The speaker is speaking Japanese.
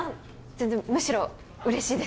全然むしろ嬉しいです